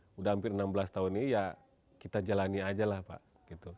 sudah hampir enam belas tahun ini ya kita jalani aja lah pak gitu